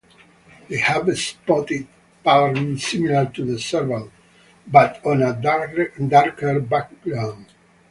They have a spotted pattern similar to the Serval, but on a darker background.